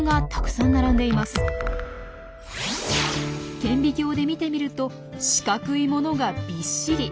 顕微鏡で見てみると四角いものがびっしり。